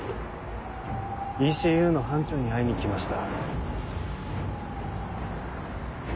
ＥＣＵの班長に会いに来ました。